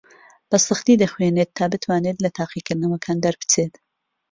بەسەختی دەخوێنێت تا بتوانێت لە تاقیکردنەوەکان دەربچێت.